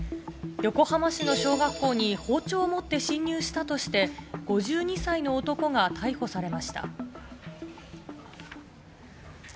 横浜市の小学校に包丁を持って侵入したとして、５２歳の男が逮捕されました。